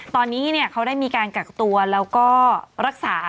ตอนนี้เขาได้มีการกักตัวแล้วก็รักษา